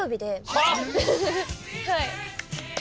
はい。